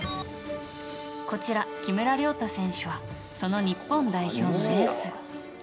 こちら、木村亮太選手はその日本代表のエース。